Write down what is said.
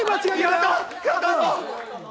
やったぞ！